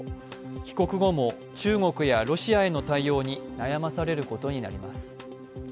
帰国後も中国やロシアへの対応に悩まされることになります。